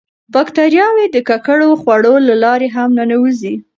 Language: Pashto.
باکتریاوې د ککړو خوړو له لارې هم ننوځي.